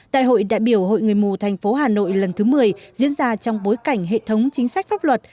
đại hội đại biểu hội người mù thành phố hà nội lần thứ một mươi diễn ra trong bối cảnh hệ thống chính sách pháp luật